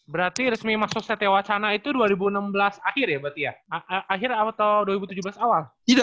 berarti resmi masuk satya wacana itu dua ribu enam belas akhir ya berarti ya